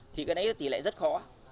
thì cái đấy thì lại rất khó